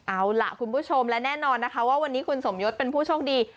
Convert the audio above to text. เอาล่ะคุณผู้ชมและแน่นอนนะคะว่าวันนี้คุณสมยศเป็นผู้โชคดี